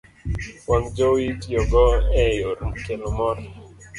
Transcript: wang' jowi itiyogo e yor kelo mor.